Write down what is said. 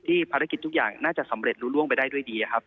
ภารกิจทุกอย่างน่าจะสำเร็จรู้ล่วงไปได้ด้วยดีครับ